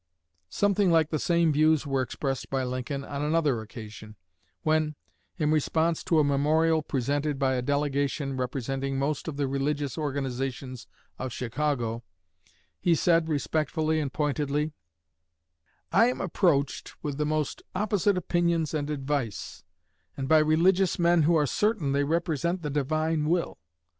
Something like the same views were expressed by Lincoln, on another occasion, when, in response to a memorial presented by a delegation representing most of the religious organizations of Chicago, he said, respectfully but pointedly: "I am approached with the most opposite opinions and advice, and by religious men who are certain they represent the Divine Will....